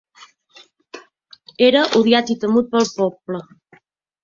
Era odiat i temut pel poble.